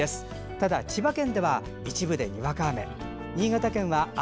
ただ千葉県では一部で、にわか雨。